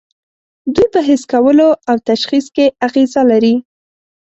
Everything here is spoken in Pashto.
دوی په حس کولو او تشخیص کې اغیزه لري.